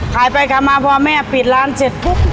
ขายไปขายมาพอแม่ปิดร้านเสร็จปุ๊บ